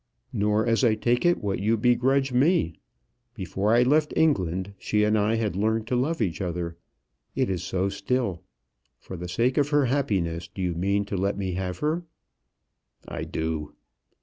"Nor, as I take it, what you begrudge me. Before I left England she and I had learned to love each other. It is so still. For the sake of her happiness, do you mean to let me have her?" "I do."